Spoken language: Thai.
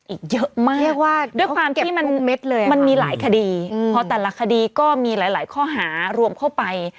อีกเยอะมากเรียกว่าด้วยความที่มันมันมีหลายคดีเพราะแต่ละคดีก็มีหลายข้อหารวมเข้าไป